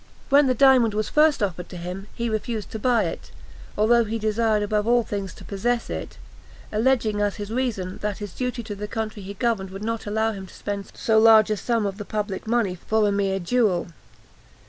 When the diamond was first offered to him, he refused to buy it, although he desired above all things to possess it, alleging as his reason, that his duty to the country he governed would not allow him to spend so large a sum of the public money for a mere jewel.